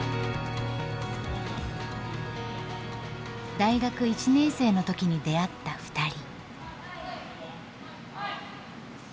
大学１年生の時に出会ったふたり。